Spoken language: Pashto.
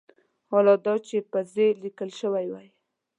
حال دا چې په "ز" لیکل شوی وای.